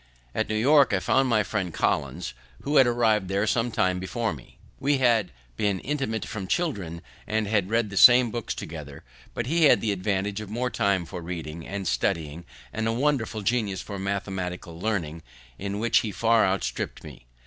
At New York I found my friend Collins, who had arriv'd there some time before me. We had been intimate from children, and had read the same books together; but he had the advantage of more time for reading and studying, and a wonderful genius for mathematical learning, in which he far outstript me.